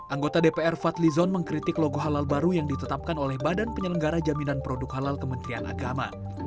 anggota dpr fadli zon mengkritik logo halal baru yang ditetapkan oleh badan penyelenggara jaminan produk halal kementerian agama